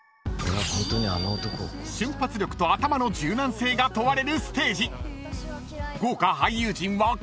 ［瞬発力と頭の柔軟性が問われるステージ］